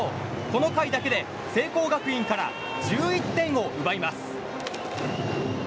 この回だけで聖光学院から１１点を奪います。